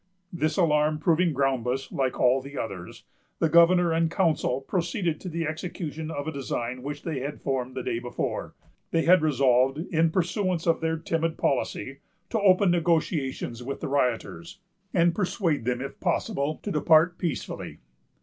This alarm proving groundless, like all the others, the governor and council proceeded to the execution of a design which they had formed the day before. They had resolved, in pursuance of their timid policy, to open negotiations with the rioters, and persuade them, if possible, to depart peacefully.